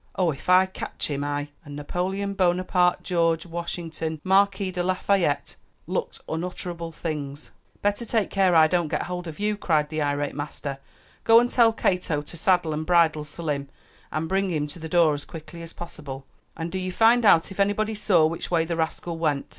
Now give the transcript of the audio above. Oh, ef I cotch him, I " and Napoleon Bonaparte George Washington Marquis de Lafayette looked unutterable things. "Better take care I don't get hold of you!" cried the irate master. "Go and tell Cato to saddle and bridle Selim and bring him to the door as quickly as possible; and do you find out if anybody saw which way the rascal went.